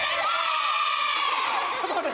ちょっと待って。